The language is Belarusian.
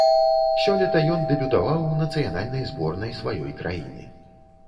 Сёлета ён дэбютаваў у нацыянальнай зборнай сваёй краіны.